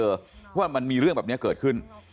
ว่ามันมีเรื่องแบบนี้เกิดขึ้น